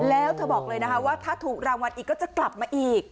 แล้วเธอบอกเลยนะคะว่าถ้าถูกรางวัลอีกก็จะกลับมาอีก